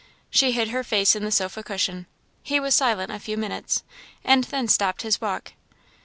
She hid her face in the sofa cushion. He was silent a few minutes, and then stopped his walk.